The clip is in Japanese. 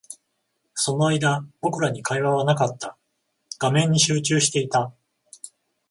その間、僕らに会話はなかった。画面に集中していた。